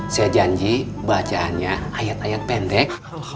saya janji bacaannya ayat ayat pendek